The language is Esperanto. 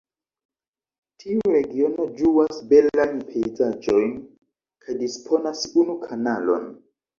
Tiu regiono ĝuas belajn pejzaĝojn kaj disponas unu kanalon.